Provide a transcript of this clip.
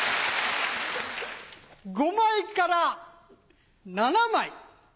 ５枚から７枚。